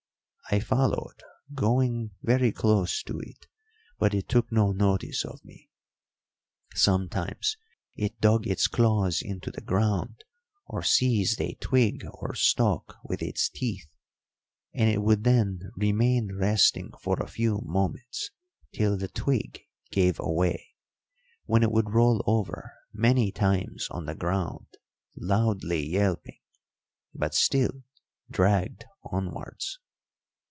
I followed, going very close to it, but it took no notice of me. Sometimes it dug its claws into the ground or seized a twig or stalk with its teeth, and it would then remain resting for a few moments till the twig gave away, when it would roll over many times on the ground, loudly yelping, but still dragged onwards.